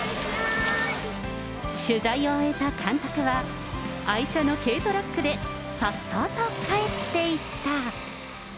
取材を終えた監督は、愛車の軽トラックでさっそうと帰っていった。